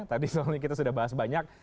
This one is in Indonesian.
tadi soalnya kita sudah bahas banyak